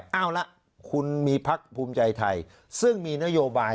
เอาละคุณมีพักภูมิใจไทยซึ่งมีนโยบาย